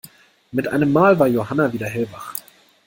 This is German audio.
Mit einem Mal war Johanna wieder hellwach.